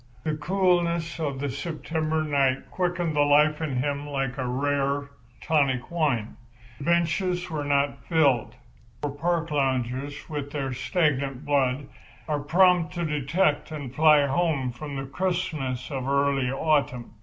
The coolness of the September night quickened the life in him like a rare, tonic wine. The benches were not filled; for park loungers, with their stagnant blood, are prompt to detect and fly home from the crispness of early autumn.